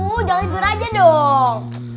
jangan tidur aja dong